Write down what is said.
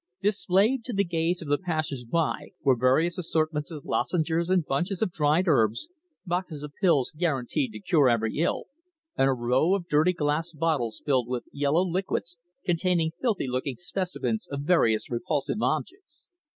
Displayed to the gaze of the passer by were various assortments of lozenges and bunches of dried herbs, boxes of pills guaranteed to cure every ill, and a row of dirty glass bottles filled with yellow liquids, containing filthy looking specimens of various repulsive objects.